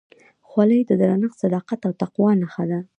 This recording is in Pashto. خولۍ د درنښت، صداقت او تقوا نښه ده.